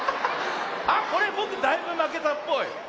あっこれぼくだいぶまけたっぽい。